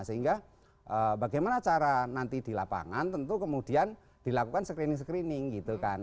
sehingga bagaimana cara nanti di lapangan tentu kemudian dilakukan screening screening gitu kan